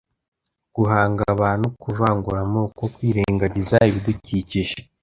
guhanga abantu kuvangura amoko kwirengagiza ibidukikije